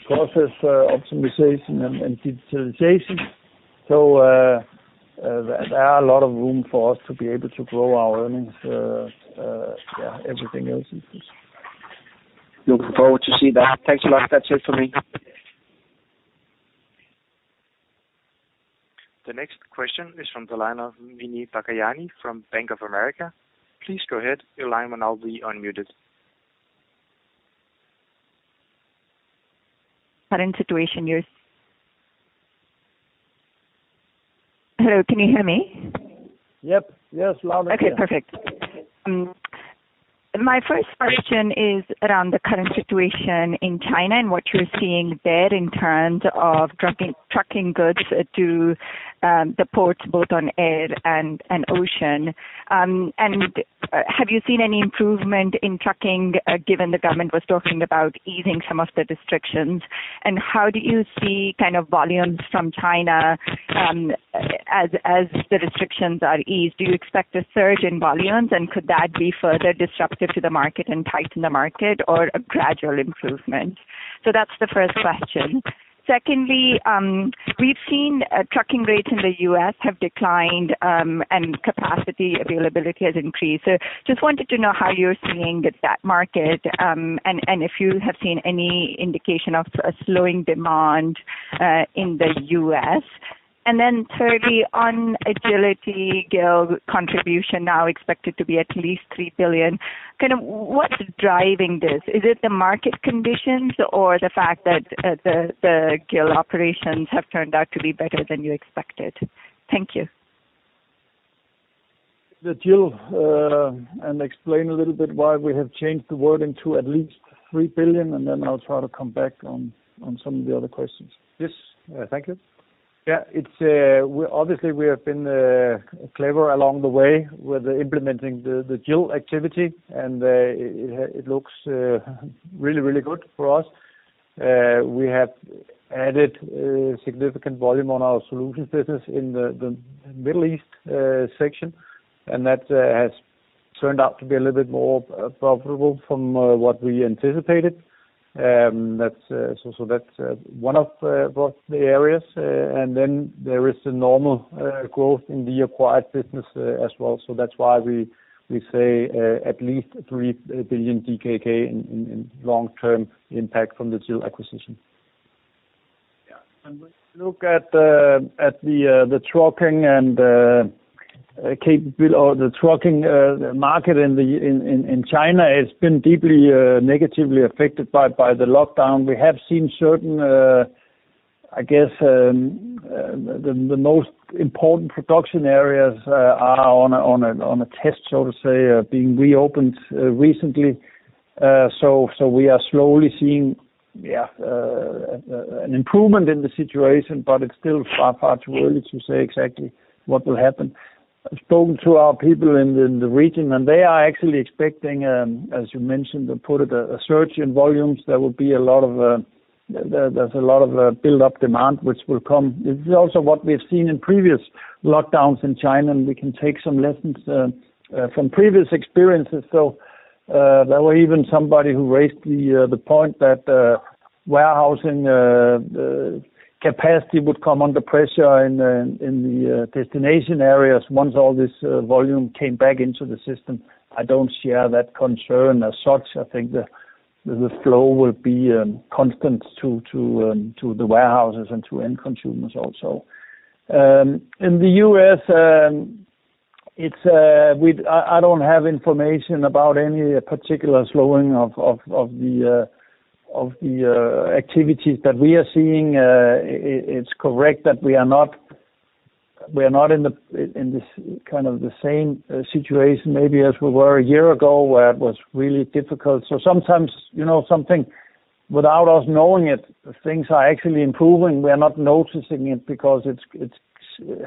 process optimization and digitalization. There are a lot of room for us to be able to grow our earnings, everything else. Looking forward to see that. Thanks a lot. That's it for me. The next question is from the line of Muneeba Kayani from Bank of America. Please go ahead. Your line will now be unmuted. Hello, can you hear me? Yep. Yes, loud and clear. Okay, perfect. My first question is around the current situation in China and what you're seeing there in terms of trucking goods to the ports both on air and ocean. Have you seen any improvement in trucking, given the government was talking about easing some of the restrictions? How do you see kind of volumes from China, as the restrictions are eased? Do you expect a surge in volumes? Could that be further disruptive to the market and tighten the market or a gradual improvement? That's the first question. Secondly, we've seen trucking rates in the US have declined, and capacity availability has increased. Just wanted to know how you're seeing that market, and if you have seen any indication of a slowing demand in the US. Thirdly, on Agility GIL contribution now expected to be at least 3 billion. Kind of what's driving this? Is it the market conditions or the fact that the GIL operations have turned out to be better than you expected? Thank you. The GIL, and explain a little bit why we have changed the wording to at least 3 billion, and then I'll try to come back on some of the other questions. Yes. Thank you. It's obviously we have been clever along the way with implementing the GIL activity, and it looks really good for us. We have added significant volume on our Solutions business in the Middle East section, and that has turned out to be a little bit more profitable from what we anticipated. That's one of both the areas. Then there is the normal growth in the acquired business as well. That's why we say at least 3 billion DKK in long-term impact from the GIL acquisition. When you look at the trucking market in China, it's been deeply negatively affected by the lockdown. We have seen certain, I guess, the most important production areas are on a test, so to say, being reopened recently. We are slowly seeing an improvement in the situation, but it's still far too early to say exactly what will happen. I've spoken to our people in the region, and they are actually expecting, as you mentioned, to put it, a surge in volumes. There will be a lot of built-up demand, which will come. This is also what we've seen in previous lockdowns in China, and we can take some lessons from previous experiences. There was even somebody who raised the point that warehousing capacity would come under pressure in the destination areas once all this volume came back into the system. I don't share that concern as such. I think the flow will be constant to the warehouses and to end consumers also. In the US, I don't have information about any particular slowing of the activities that we are seeing. It's correct that we are not in this kind of the same situation maybe as we were a year ago, where it was really difficult. Sometimes, you know, something without us knowing it, things are actually improving. We are not noticing it because it's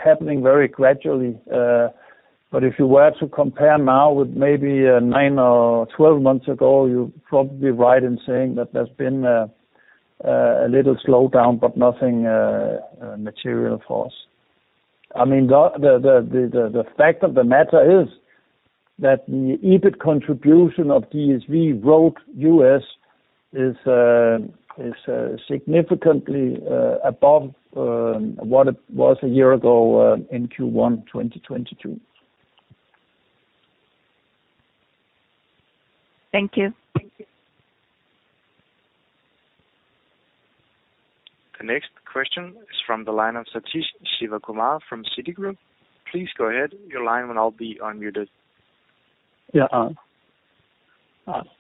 happening very gradually. If you were to compare now with maybe nine or 12 months ago, you're probably right in saying that there's been a little slowdown, but nothing material for us. I mean, the fact of the matter is that the EBIT contribution of DSV Road US is significantly above what it was a year ago, in Q1 2022. Thank you. Thank you. The next question is from the line of Sathish Sivakumar from Citigroup. Please go ahead. Your line will now be unmuted. Yeah.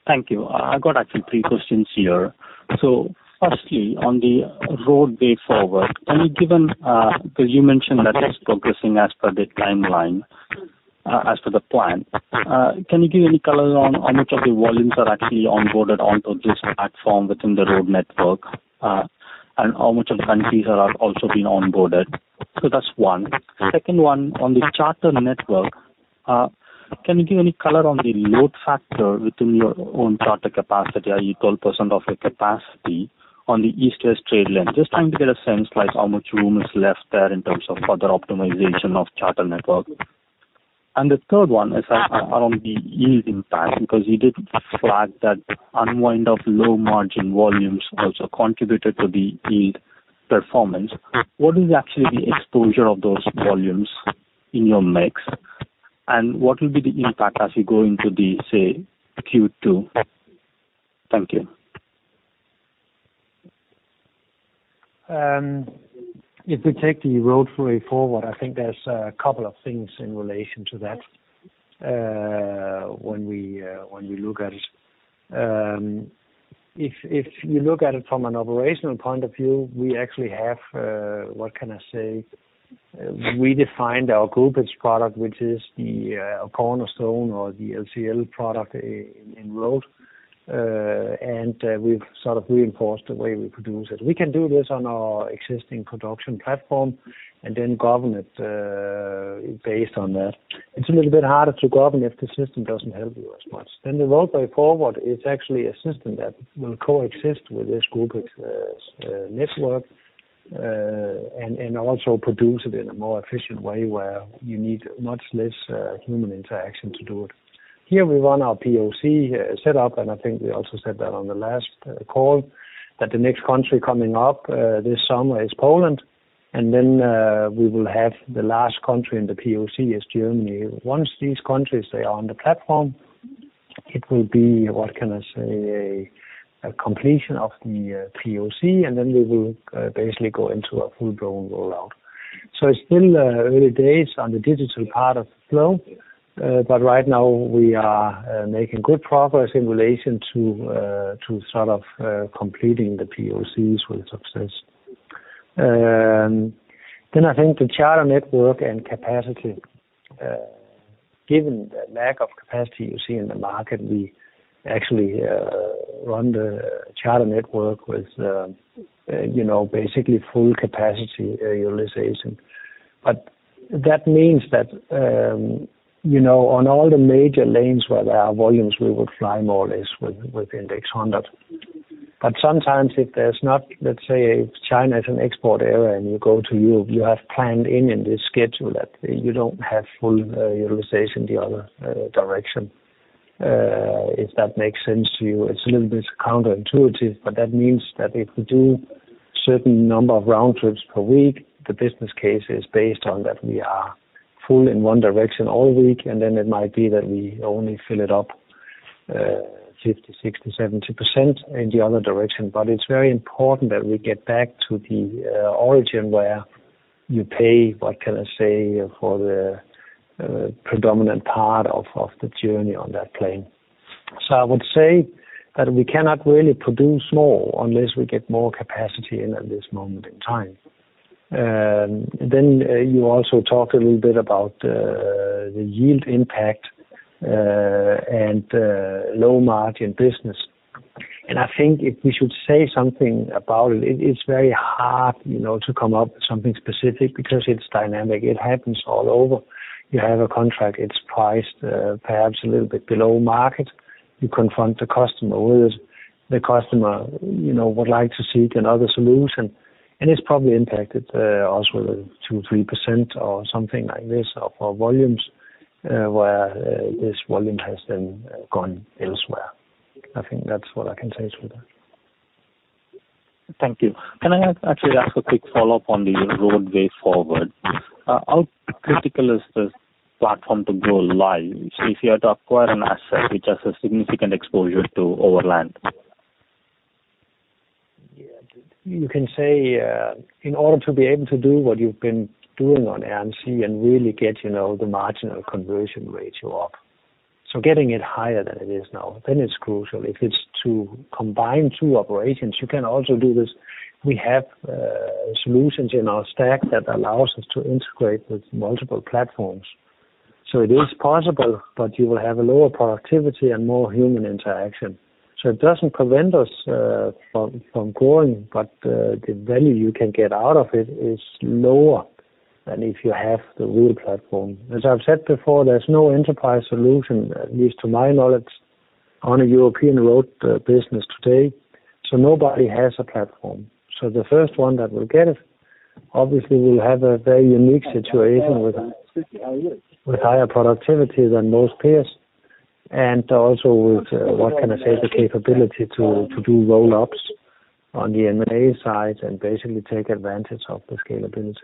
Thank you. I got actually three questions here. Firstly, on the Road Way Forward, 'cause you mentioned that it's progressing as per the timeline, as per the plan. Can you give any color on how much of the volumes are actually onboarded onto this platform within the road network, and how much of the countries are also being onboarded? That's one. Second one, on the charter network, can you give any color on the load factor within your own charter capacity, i.e. 12% of the capacity on the East Coast trade lane? Just trying to get a sense, like how much room is left there in terms of further optimization of charter network. The third one is around the yield impact, because you did flag that the unwind of low-margin volumes also contributed to the yield performance. What is actually the exposure of those volumes in your mix, and what will be the impact as you go into the, say, Q2? Thank you. If we take the Road Way Forward, I think there's a couple of things in relation to that, when we look at it. If you look at it from an operational point of view, we actually have, what can I say? We defined our groupage product, which is the cornerstone or the LCL product in Road, and we've sort of reinforced the way we produce it. We can do this on our existing production platform and then govern it based on that. It's a little bit harder to govern if the system doesn't help you as much. The Road Way Forward is actually a system that will coexist with this groupage network, and also produce it in a more efficient way, where you need much less human interaction to do it. Here we run our POC set up, and I think we also said that on the last call, that the next country coming up this summer is Poland. Then we will have the last country in the POC is Germany. Once these countries they are on the platform. It will be, what can I say, a completion of the POC, and then we will basically go into a full-blown rollout. It's still early days on the digital part of flow. Right now we are making good progress in relation to to sort of completing the POCs with success. I think the charter network and capacity, given the lack of capacity you see in the market, we actually run the charter network with you know, basically full capacity utilization. That means that, you know, on all the major lanes where there are volumes, we would fly more or less with index 100. Sometimes if there's not, let's say China is an export area and you go to Europe, you have planned in the schedule that you don't have full utilization in the other direction. If that makes sense to you, it's a little bit counterintuitive, that means that if we do certain number of round trips per week, the business case is based on that we are full in one direction all week, and then it might be that we only fill it up 50%, 60%, 70% in the other direction. It's very important that we get back to the origin where you pay, what can I say, for the predominant part of the journey on that plane. I would say that we cannot really produce more unless we get more capacity in at this moment in time. You also talked a little bit about the yield impact and low margin business. I think if we should say something about it's very hard, you know, to come up with something specific because it's dynamic. It happens all over. You have a contract, it's priced perhaps a little bit below market. You contact the customer, you know, would like to seek another solution, and it's probably impacted us with 2% to 3% or something like this of our volumes, where this volume has then gone elsewhere. I think that's what I can say to that. Thank you. Can I actually ask a quick follow-up on the Road Way Forward? How critical is this platform to go live if you had to acquire an asset which has a significant exposure to overland? You can say, in order to be able to do what you've been doing on A&S and really get, you know, the marginal conversion ratio up. Getting it higher than it is now, then it's crucial. If it's to combine two operations, you can also do this. We have, solutions in our stack that allows us to integrate with multiple platforms. It is possible, but you will have a lower productivity and more human interaction. It doesn't prevent us, from growing, but, the value you can get out of it is lower than if you have the real platform. As I've said before, there's no enterprise solution, at least to my knowledge, on a European road, business today. Nobody has a platform. The first one that will get it, obviously will have a very unique situation with higher productivity than most peers, and also with, what can I say, the capability to do roll-ups on the M&A side and basically take advantage of the scalability.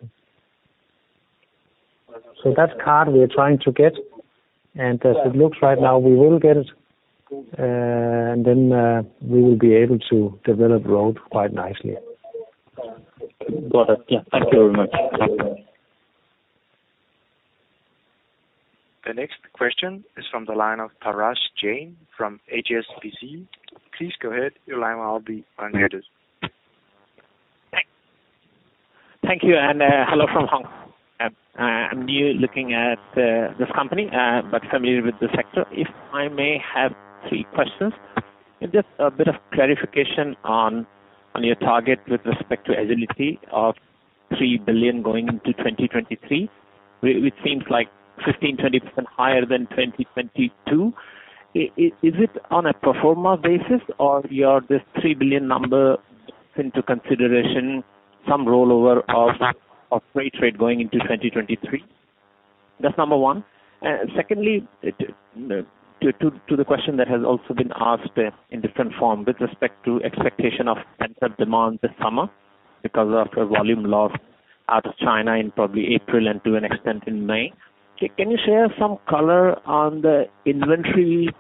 That card we are trying to get, and as it looks right now, we will get it, and then we will be able to develop Road quite nicely. Got it. Yeah. Thank you very much. The next question is from the line of Parash Jain from HSBC. Please go ahead. Your line will be unmuted. Thank you, hello from Hong Kong. I'm new looking at this company, but familiar with the sector. If I may have three questions. Just a bit of clarification on your target with respect to Agility of 3 billion going into 2023. It seems like 15% to 20% higher than 2022. Is it on a pro forma basis or does this 3 billion number take into consideration some rollover of freight rate going into 2023? That's number one. Secondly, to the question that has also been asked in different form with respect to expectation of pent-up demand this summer because of the volume loss out of China in probably April and to an extent in May. Can you share some color on the inventory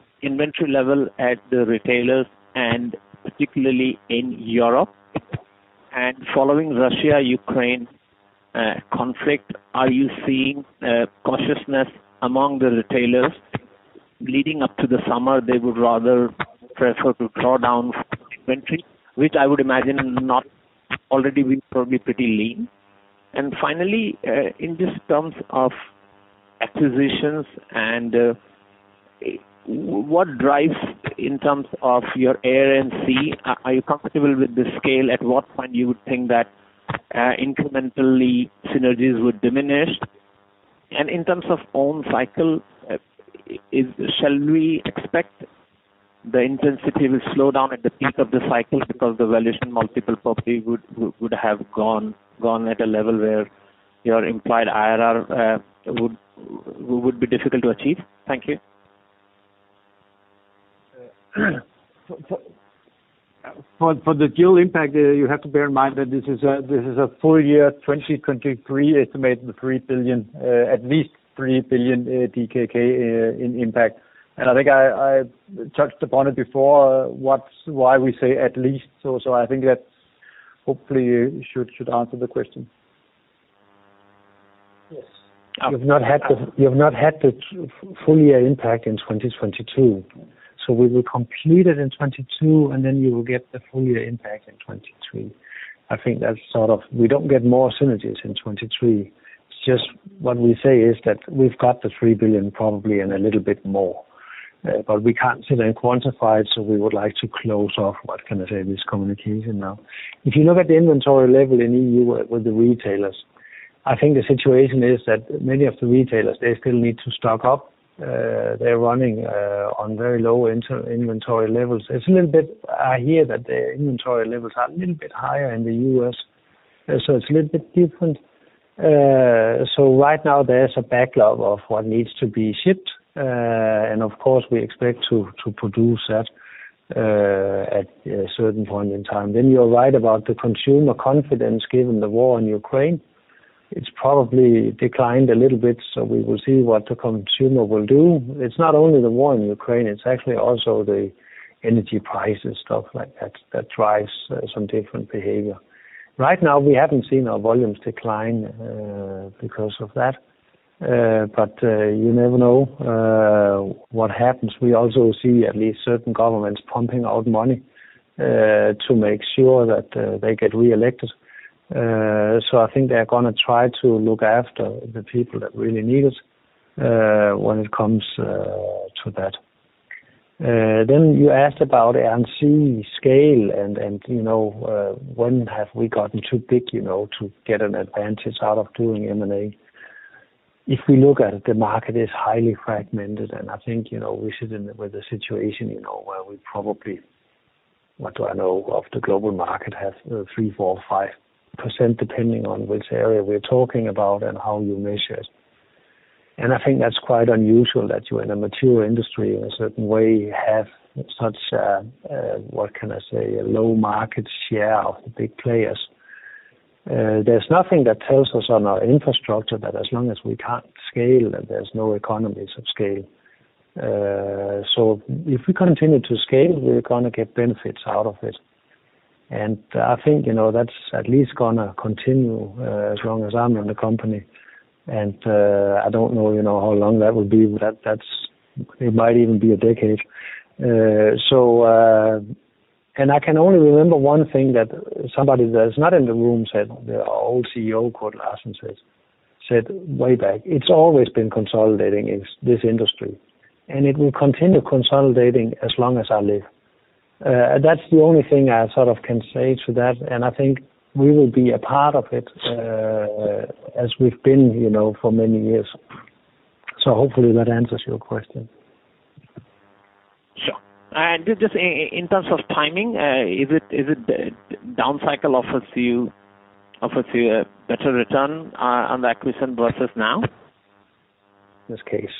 level at the retailers and particularly in Europe? Following Russia-Ukraine conflict, are you seeing cautiousness among the retailers leading up to the summer? They would rather prefer to draw down inventory, which I would imagine not already been probably pretty lean? Finally, in terms of acquisitions and what drives in terms of your air and sea, are you comfortable with the scale? At what point you would think that incrementally synergies would diminish? In terms of own cycle, shall we expect the intensity will slow down at the peak of the cycle because the valuation multiple probably would have gone at a level where your implied IRR would be difficult to achieve? Thank you. For the deal impact, you have to bear in mind that this is a full year 2023 estimate at least 3 billion DKK in impact. I think I touched upon it before, why we say at least so. I think that hopefully should answer the question. Yes. You've not had the full year impact in 2022. We will complete it in 2022, and then you will get the full year impact in 2023. I think that's sort of. We don't get more synergies in 2023. Just what we say is that we've got 3 billion probably, and a little bit more. We can't sit and quantify it, so we would like to close off, what can I say, this communication now. If you look at the inventory level in EU with the retailers, I think the situation is that many of the retailers, they still need to stock up. They're running on very low inventory levels. It's a little bit here that the inventory levels are a little bit higher in the US, so it's a little bit different. Right now there's a backlog of what needs to be shipped. Of course, we expect to produce that at a certain point in time. You're right about the consumer confidence given the war in Ukraine. It's probably declined a little bit, so we will see what the consumer will do. It's not only the war in Ukraine, it's actually also the energy prices, stuff like that drives some different behavior. Right now, we haven't seen our volumes decline because of that. You never know what happens. We also see at least certain governments pumping out money to make sure that they get re-elected. I think they're gonna try to look after the people that really need us when it comes to that. You asked about A&S scale and you know when have we gotten too big you know to get an advantage out of doing M&A. If we look at it, the market is highly fragmented, and I think you know we sit in with a situation you know where we probably have 3%, 4%, 5%, depending on which area we're talking about and how you measure it. I think that's quite unusual that you're in a mature industry, in a certain way, have such a what can I say a low market share of the big players. There's nothing that tells us on our infrastructure that as long as we can scale, that there's no economies of scale. If we continue to scale, we're gonna get benefits out of it. I think, you know, that's at least gonna continue as long as I'm in the company. I don't know, you know, how long that will be. That's. It might even be a decade. I can only remember one thing that somebody that's not in the room said, the old CEO, Kurt K. Larsen said way back, "It's always been consolidating in this industry, and it will continue consolidating as long as I live." That's the only thing I sort of can say to that, and I think we will be a part of it as we've been, you know, for many years. Hopefully that answers your question. Sure. Just in terms of timing, is it the down cycle offers you a better return on the acquisition versus now? In this case.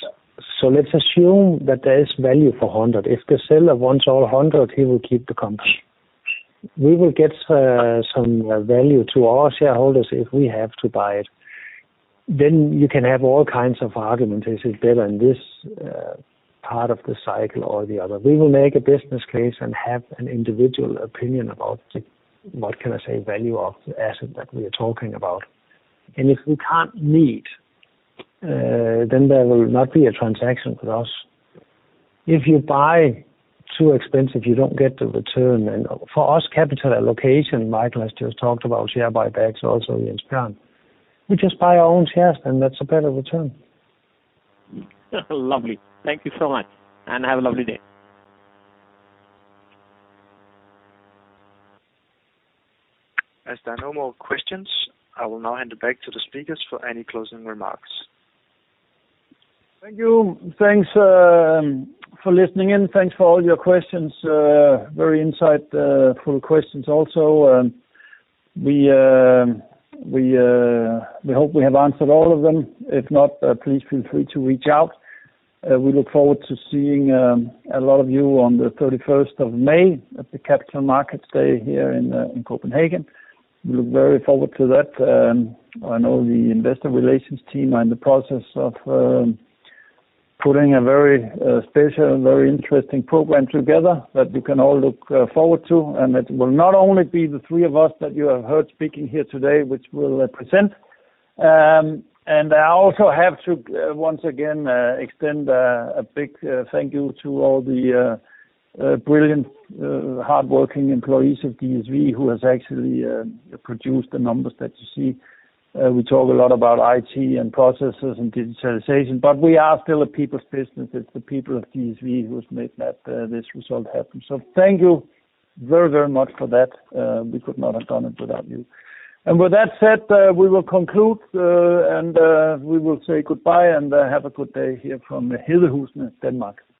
Let's assume that there is value for 100. If the seller wants all 100, he will keep the company. We will get some value to our shareholders if we have to buy it. You can have all kinds of argument. Is it better in this part of the cycle or the other? We will make a business case and have an individual opinion about the, what can I say, value of the asset that we are talking about. If we can't meet, there will not be a transaction with us. If you buy too expensive, you don't get the return. For us, capital allocation, Michael has just talked about share buybacks also with We just buy our own shares, then that's a better return. Lovely. Thank you so much, and have a lovely day. As there are no more questions, I will now hand it back to the speakers for any closing remarks. Thank you. Thanks for listening in. Thanks for all your questions. Very insightful questions also. We hope we have answered all of them. If not, please feel free to reach out. We look forward to seeing a lot of you on the 31st of May at the Capital Markets Day here in Copenhagen. We look very forward to that. I know the investor relations team are in the process of putting a very special and very interesting program together that you can all look forward to. It will not only be the three of us that you have heard speaking here today, which will represent. I also have to once again extend a big thank you to all the brilliant, hardworking employees of DSV who has actually produced the numbers that you see. We talk a lot about IT and processes and digitalization, but we are still a people's business. It's the people of DSV who's made this result happen. Thank you very, very much for that. We could not have done it without you. With that said, we will conclude and we will say goodbye and have a good day here from Hedehusene, Denmark.